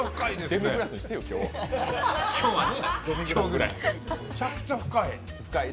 デミグラスにしてよ、今日はめちゃくちゃ深い。